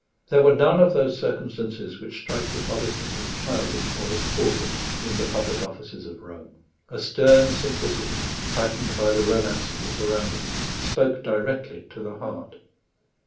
There were none of those circumstances which strike the Protestant as childish or as tawdry in the public offices of Rome. A stern simplicity, heightened by the romance of the surroundings, spoke directly to the heart.